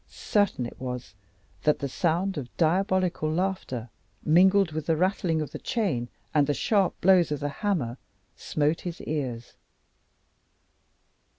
Certain it was that the sound of diabolical laughter, mingled with the rattling of the chain and the sharp blows of the hammer, smote his ears.